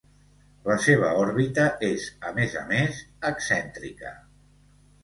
La seva òrbita és a més a més excèntrica.